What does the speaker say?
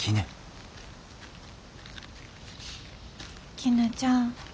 きぬちゃん。